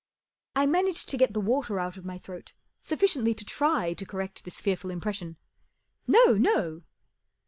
I managed to get the water out of my throat sufficiently to try to correct this fearful impression. M No, no